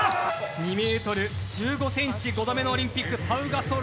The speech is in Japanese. ２ｍ１５ｃｍ、５度目のオリンピック。